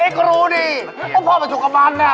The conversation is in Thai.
ไอ้ก็รู้นี่พ่อมีผู้ชมกับมันเพย์